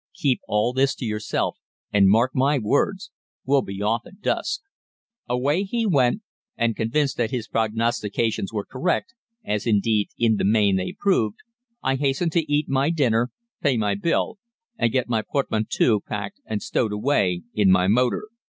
'Keep all this to yourself, and mark my words, we'll be off at dusk.' "Away he went, and convinced that his prognostications were correct as, indeed, in the main they proved I hastened to eat my dinner, pay my bill, and get my portmanteau packed and stowed away in my motor.